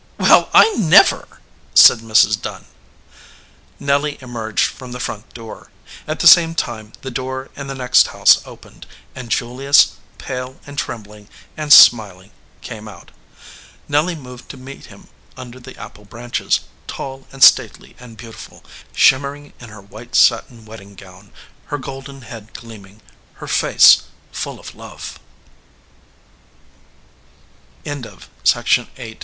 "Well, I never!" said Mrs. Dunn. Nelly emerged from the front door. At the same time the door in the next house opened, and Julius, pale and trembling and smiling, came out. 213 EDGEWATER PEOPLE Nelly moved to meet him under the apple branches, tall and stately and beautiful, shimmering in her white satin wedding gown, her golden head gleam ing, her face